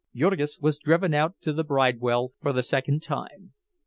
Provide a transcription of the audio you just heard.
Jurgis was driven out to the Bridewell for the second time.